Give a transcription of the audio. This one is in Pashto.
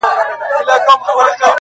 خدايه هغه داسي نه وه_